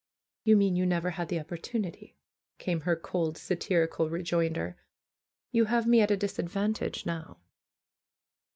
"You mean you never had the opportunity," came her cold, satirical rejoinder. "You have me at a dis advantage now."